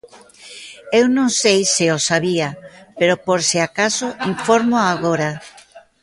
Eu non sei se o sabía, pero por se acaso infórmoa agora.